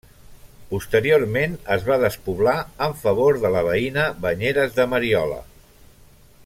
Posteriorment, es va despoblar en favor de la veïna Banyeres de Mariola.